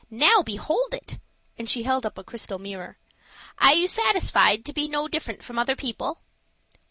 Now behold it!" and she held up a crystal mirror. "Are you satisfied to be no different from other people?"